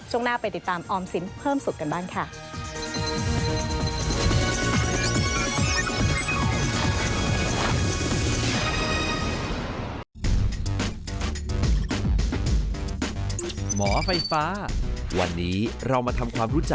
ช่วงหน้าไปติดตามออมสินเพิ่มสุดกันบ้างค่ะ